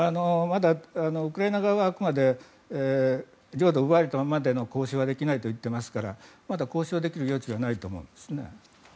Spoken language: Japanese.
ウクライナ側はあくまで領土を奪われたままで交渉はできないと言っていますからまだ交渉できる余地がないと思うんですね。